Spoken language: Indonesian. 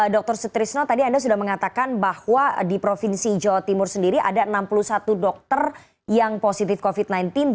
dr sutrisno tadi anda sudah mengatakan bahwa di provinsi jawa timur sendiri ada enam puluh satu dokter yang positif covid sembilan belas